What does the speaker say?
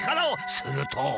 すると。